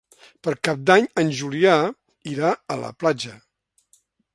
Per Cap d'Any en Julià irà a la platja.